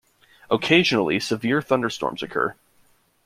Occasionally, severe thunderstorms occur.